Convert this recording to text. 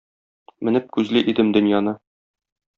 Менеп күзли идем дөньяны.